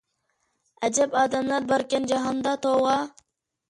ئەجەب ئادەملەر باركەن جاھاندا، توۋا...